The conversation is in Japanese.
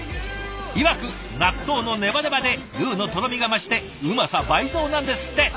いわく納豆のねばねばでルーのとろみが増してうまさ倍増なんですって！